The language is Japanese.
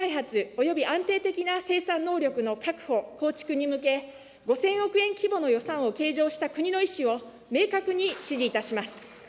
今回、ワクチン開発および安定的な生産能力の確保・構築に向け、５０００億円規模の予算を計上した国の意志を、明確に支持いたします。